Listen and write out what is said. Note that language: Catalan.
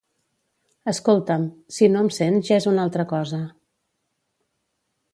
Escolta'm, si no em sents ja és una altra cosa